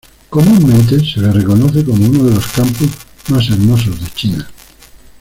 Comúnmente se le reconoce como uno de los campus más hermosos de China.